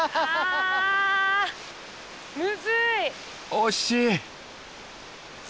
惜しい。